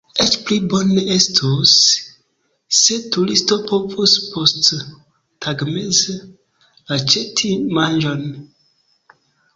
Eĉ pli bone estus, se turisto povus posttagmeze aĉeti manĝon.